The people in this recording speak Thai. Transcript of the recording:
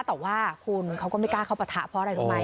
แต่ว่าคุณเขาก็ไม่กล้าเข้าปะทะเพราะอะไรรู้ไหม